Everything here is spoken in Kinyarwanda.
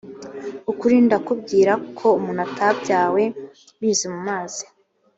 ukuri ndakubwira ko umuntu atabyawe binyuze ku mazi